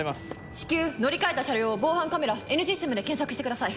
至急乗り換えた車両を防犯カメラＮシステムで検索してください。